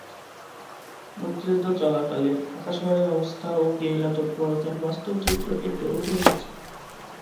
মুক্তিযুদ্ধ চলাকালে ঢাকা শহরের অবস্থা ও গেরিলা তৎপরতার বাস্তব চিত্র এতে উঠে এসেছে।